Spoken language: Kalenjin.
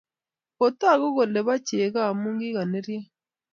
Kitoku kole bo cheko amu kikanerio